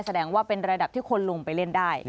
แสดงว่าเป็นระดับที่คนลงไปเล่นได้